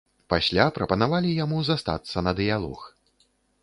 Пасля прапанавалі яму застацца на дыялог.